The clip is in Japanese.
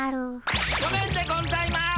ごめんでゴンざいます。